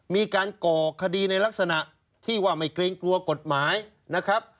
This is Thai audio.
ก่อคดีในลักษณะที่ว่าไม่เกรงกลัวกฎหมายนะครับ